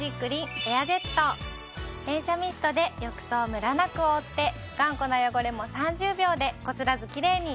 連射ミストで浴槽をムラなく覆って頑固な汚れも３０秒でこすらずキレイに。